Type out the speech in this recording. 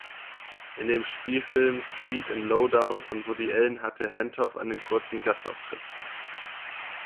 In dem Spielfilm "Sweet and Lowdown" von Woody Allen hatte Hentoff einen kurzen Gastauftritt.